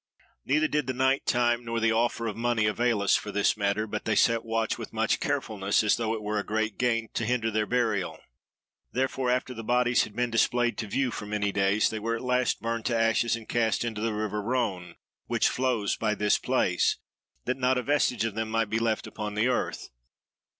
"Neither did the night time, nor the offer of money, avail us for this matter; but they set watch with much carefulness, as though it were a great gain to hinder their burial. Therefore, after the bodies had been displayed to view for many days, they were at last burned to ashes, and cast into the river Rhone, which flows by this place, that not a vestige of them might be left upon the earth.